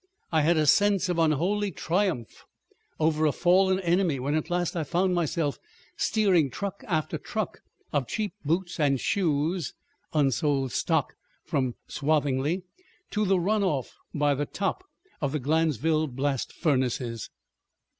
I had a sense of unholy triumph over a fallen enemy when at last I found myself steering truck after truck of cheap boots and shoes (unsold stock from Swathinglea) to the run off by the top of the Glanville blast furnaces.